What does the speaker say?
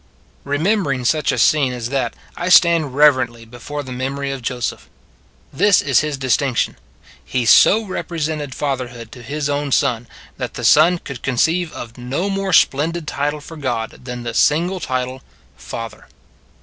Remembering such a scene as that I stand reverently before the memory of Joseph. This is his distinction he so represented fatherhood to his own Son, that the Son could conceive of no more splendid title for God than the single title, " Father."